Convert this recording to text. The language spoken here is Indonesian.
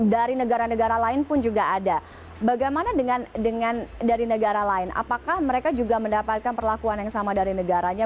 dari negara negara lain pun juga ada bagaimana dengan dari negara lain apakah mereka juga mendapatkan perlakuan yang sama dari negaranya